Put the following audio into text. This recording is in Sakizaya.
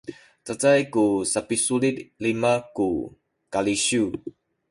cacay ku sapisulit lima ku kalisiw